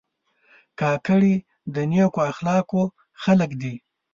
کاکړي د نیکو اخلاقو خلک دي.